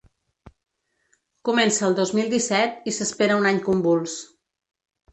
Comença el dos mil disset i s’espera un any convuls.